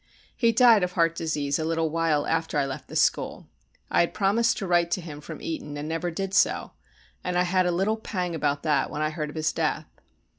He died of heart disease a little while after I left the school. I had promised to write to him from Eton and never did so, and I had a little pang about that when I heard of his death.